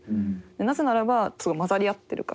なぜならばすごい交ざり合ってるから。